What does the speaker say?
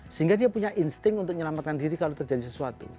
sehingga dia punya insting untuk menyelamatkan diri kalau terjadi sesuatu